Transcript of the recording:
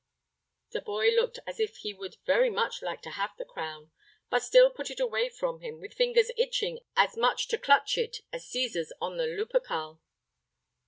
The boy looked as if he would very much like to have the crown, but still put it away from him, with fingers itching as much to clutch it as Cæsar's on the Lupercal.